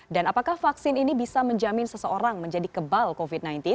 dan apakah vaksin ini bisa menjamin seseorang menjadi kebal covid sembilan belas